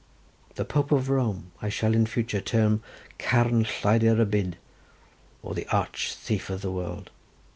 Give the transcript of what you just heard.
The Pope of Rome I shall in future term carn lleidyr y byd, or the arch thief of the world.